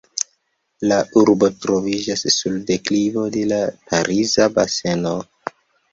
La urbo troviĝas sur deklivo de la Pariza Baseno.